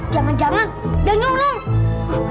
jangan jangan jangan nyuruh